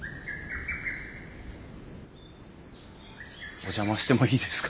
お邪魔してもいいですか？